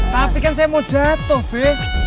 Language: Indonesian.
tapi kan saya mau jatuh bek